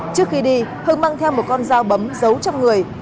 trước khi đi hưng mang theo một con dao bấm giấu trong người